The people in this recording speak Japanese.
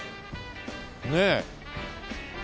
ねえ。